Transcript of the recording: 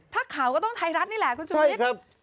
ถ้าข่าวก็ต้องไทยรัฐนี่แหละคุณชูวิทใช่ครับ